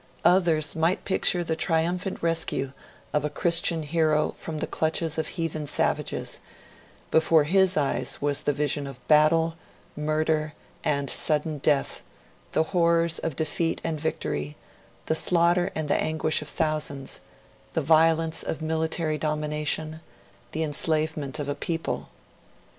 Others might picture the triumphant rescue of a Christian hero from the clutches of heathen savages; before HIS eyes was the vision of battle, murder, and sudden death, the horrors of defeat and victory, the slaughter and the anguish of thousands, the violence of military domination, the enslavement of a people.